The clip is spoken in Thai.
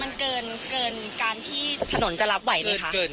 มันเกินการที่ถนนจะรับไหวไหมคะ